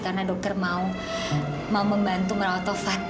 karena dokter mau membantu merawat taufan